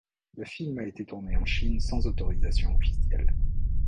Le film a été tourné en Chine sans autorisation officielle.